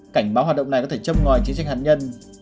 cảnh báo hoạt động này có thể châm ngòi chiến tranh hạt nhân